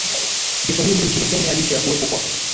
Kiswahili nchini Kenya licha ya kuwepo kwa